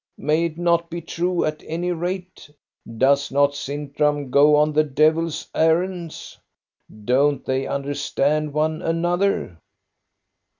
May it not be true, at any rate.' Does not Sintram go on the devil's errands? Don't they understand one another